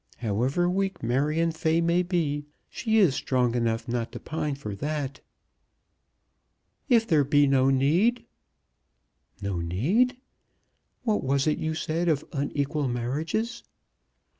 However weak Marion Fay may be, she is strong enough not to pine for that." "If there be no need?" "No need? What was it you said of unequal marriages?